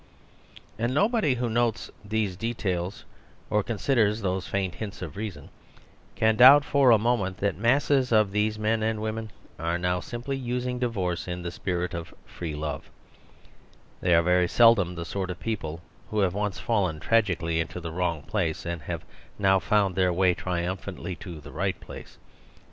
And nobody who notes those details, or considers I =^=——— r 180 The Superstition of Divorce f those faint hints of reason, can doubt for a mo ment that masses of these men and women are now simply using divorce in the spirit of free | love. They are very seldom the sort of peo j pic who have once fallen tragically into the wrong place, and have now found their way ! triumphantly to the right place.